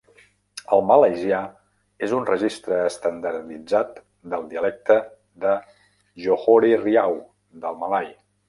El malaisià és un registre estandarditzat del dialecte de Johore-Riau del malai.